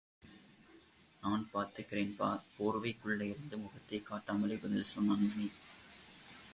நான் பார்த்துக்குறேன்பா... போர்வைக் குள்ளேயிருந்து முகத்தைக் காட்டாமலேயே பதில் சொன்னான் மணி.